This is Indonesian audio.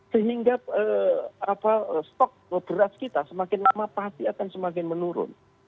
sehingga stok beras kita semakin lama pasti akan semakin menurun